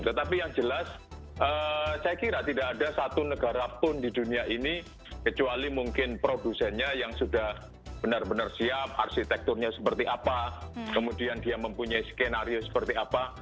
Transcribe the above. tetapi yang jelas saya kira tidak ada satu negara pun di dunia ini kecuali mungkin produsennya yang sudah benar benar siap arsitekturnya seperti apa kemudian dia mempunyai skenario seperti apa